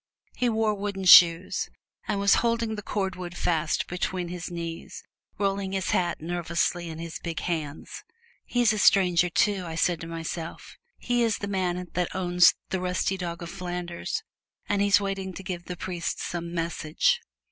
He wore wooden shoes, and was holding the cordwood fast between his knees, rolling his hat nervously in his big hands. "He's a stranger, too," I said to myself; "he is the man who owns the rusty dog of Flanders, and he is waiting to give the priest some message!"